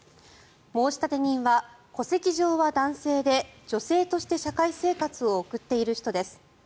申立人は戸籍上は男性で女性として社会生活を送っている人です。